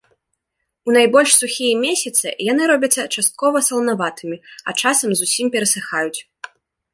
У найбольш сухія месяцы яны робяцца часткова саланаватымі, а часам зусім перасыхаюць.